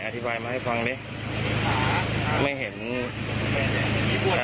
ทุกอย่างทำเองหมด